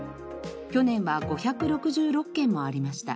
去年は５６６件もありました。